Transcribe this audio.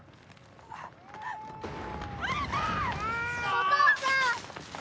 お父さん！